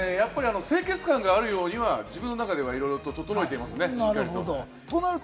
清潔感があるようには自分の中ではいろいろと整えていますね、しっかりと。